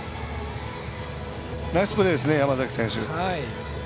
ナイスプレーですね、山崎選手。